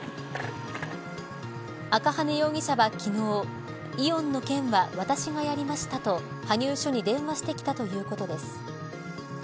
赤羽容疑者は昨日イオンの件は私がやりました、と羽生署に電話してきたということです。